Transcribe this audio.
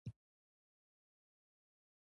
کاري پلان د وړاندې کوونکي لاسلیک لري.